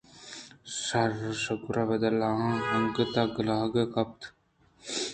شُگر ءِ بدل ءَ آہاں انگت کلاگ گیپت